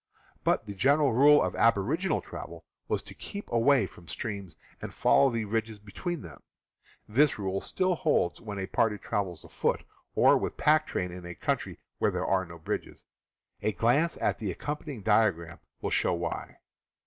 But the gen eral rule of aboriginal travel was to keep away from streams and follow the ridges between them. This rule still holds good when a party travels afoot or with Fig. 8. pack train in a country where there are no bridges. A glance at the accompanying diagram will show why.